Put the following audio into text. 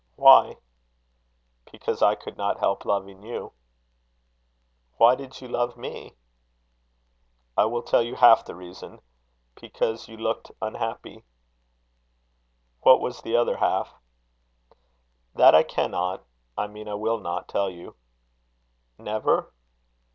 "Why?" "Because I could not help loving you." "Why did you love me?" "I will tell you half the reason. Because you looked unhappy." "What was the other half?" "That I cannot I mean I will not tell you." "Never?"